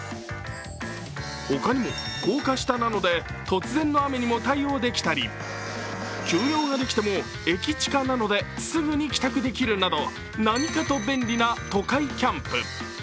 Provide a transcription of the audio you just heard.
ほかにも高架下なので突然の雨でも対応できたり、急用ができても駅近なのですぐに帰宅できるなど何かと便利な都会キャンプ。